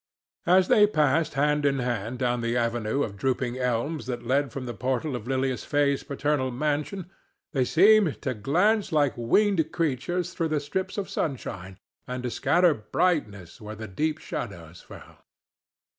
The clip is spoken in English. As they passed hand in hand down the avenue of drooping elms that led from the portal of Lilias Fay's paternal mansion they seemed to glance like winged creatures through the strips of sunshine, and to scatter brightness where the deep shadows fell.